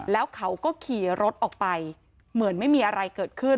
แล้วเขาก็ขี่รถออกไปเหมือนไม่มีอะไรเกิดขึ้น